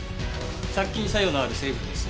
殺菌作用のある成分です。